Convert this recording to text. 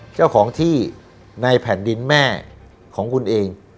เจ้าของที่ในแผ่นดินแม่ของคุณเอง